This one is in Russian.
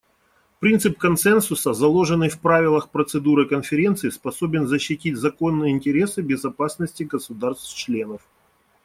Принцип консенсуса, заложенный в правилах процедуры Конференции, способен защитить законные интересы безопасности государств-членов.